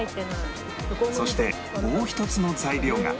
そしてもう１つの材料が